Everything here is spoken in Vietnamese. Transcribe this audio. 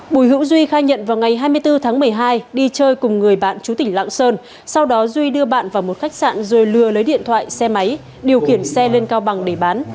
bùi hữu duy khai nhận vào ngày hai mươi bốn tháng một mươi hai đi chơi cùng người bạn chú tỉnh lạng sơn sau đó duy đưa bạn vào một khách sạn rồi lừa lấy điện thoại xe máy điều khiển xe lên cao bằng để bán